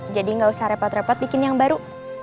jadi gak usah repot repot bikin yang baru